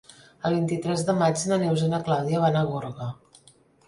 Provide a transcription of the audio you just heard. El vint-i-tres de maig na Neus i na Clàudia van a Gorga.